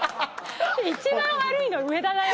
一番悪いの上田だよ